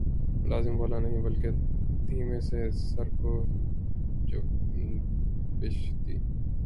ملازم بولا نہیں بلکہ دھیمے سے سر کو جنبش دی